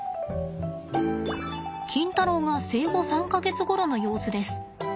キンタロウが生後３か月ごろの様子です。